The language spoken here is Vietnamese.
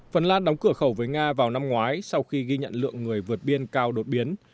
phần lan đóng cửa khẩu với nga vào năm ngoái sau khi ghi nhận lượng người vượt biên cao đột biến